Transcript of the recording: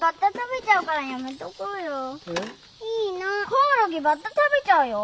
コオロギバッタ食べちゃうよ？